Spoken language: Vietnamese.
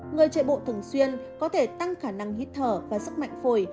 người chạy bộ thường xuyên có thể tăng khả năng hít thở và sức mạnh phổi